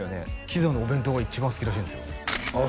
喜山のお弁当が一番好きらしいんですよああ